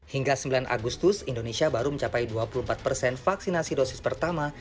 hingga sembilan agustus indonesia baru mencapai dua puluh empat persen vaksinasi dosis pertama